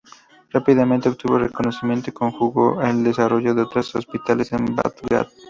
Rápidamente obtuvo reconocimiento y condujo al desarrollo de otros hospitales en Bagdad.